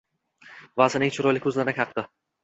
Va Sening chiroyli ko’zlaring haqqi…